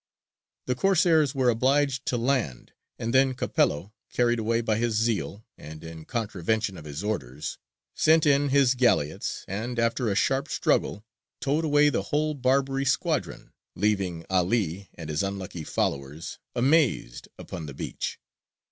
The Corsairs were obliged to land, and then Capello, carried away by his zeal, and in contravention of his orders, sent in his galleots and, after a sharp struggle, towed away the whole Barbary squadron, leaving 'Ali and his unlucky followers amazed upon the beach.